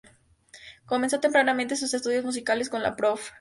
Comenzó tempranamente sus estudios musicales con la Prof.